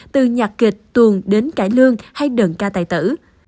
từ nhạc kịch tuồn đến cải lương hay đơn ca tài tử